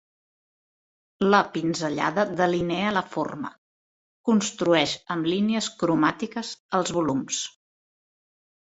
La pinzellada delinea la forma, construeix amb línies cromàtiques els volums.